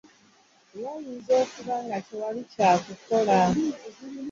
Wayinza okuba tewali kya kukola.